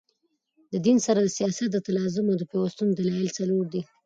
د دین سره د سیاست د تلازم او پیوستون دلایل څلور دي.